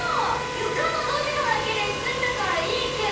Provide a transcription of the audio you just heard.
ゆかのドミノだけですんだからいいけど。